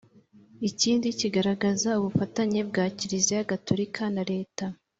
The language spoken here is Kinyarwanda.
ikindi kigaragaza ubufatanye bwa kiliziya gatolika na leta